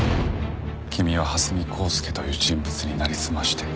君は蓮見光輔という人物になりすまして警視庁に入った。